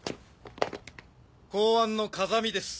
・公安の風見です